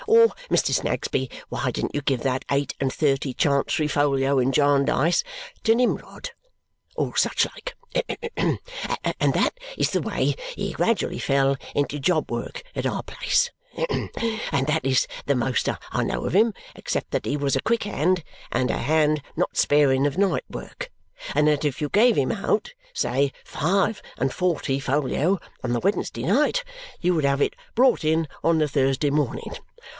or 'Mr. Snagsby, why didn't you give that eight and thirty Chancery folio in Jarndyce to Nimrod?' or such like. And that is the way he gradually fell into job work at our place; and that is the most I know of him except that he was a quick hand, and a hand not sparing of night work, and that if you gave him out, say, five and forty folio on the Wednesday night, you would have it brought in on the Thursday morning.